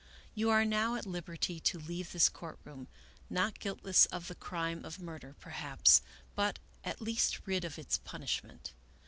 " You are now at liberty to leave this court room, not guiltless of the crime of murder, perhaps, but at least rid of its punishment.